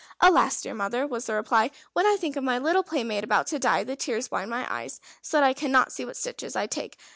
"Alas! dear mother," was the reply, "when I think of my little playmate about to die, the tears blind my eyes, so that I cannot see what stitches I take.